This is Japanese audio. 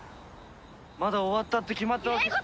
まだ終わったって決まったわけじゃ。